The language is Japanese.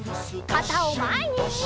かたをまえに！